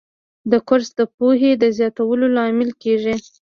کورس د پوهې زیاتولو لامل کېږي.